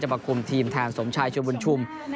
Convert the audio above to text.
จะประคุมทีมแทนสมชายชมบุญชุม